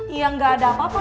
ya gak ada apa apa